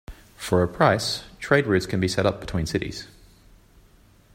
For a price, trade routes can be set up between cities.